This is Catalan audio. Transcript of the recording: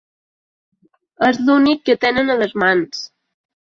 És l’únic que tenen a les mans.